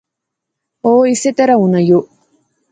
او اسے طرح ہونا یو